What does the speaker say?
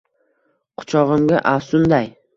Quchog’imga afsunday